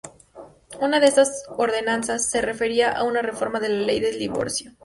Una de estas ordenanzas se refería a una reforma de la ley del divorcio.